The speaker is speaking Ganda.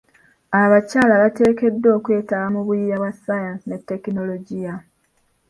Abakyala bateekeddwa okwetaba mu buyiiya bwa sayansi ne tekinologiya .